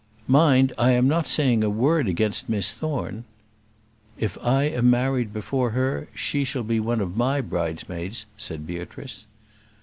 "Mind, I am not saying a word against Miss Thorne." "If I am married before her, she shall be one of my bridesmaids," said Beatrice.